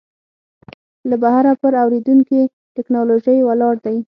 له بهره پر واردېدونکې ټکنالوژۍ ولاړ دی.